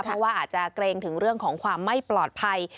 เพราะว่าอาจจะเกรงถึงเรื่องของความไม่ปลอดภัย